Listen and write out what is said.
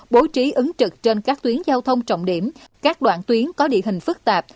bố trí ứng trực trên các tuyến giao thông trọng điểm các đoạn tuyến có địa hình phức tạp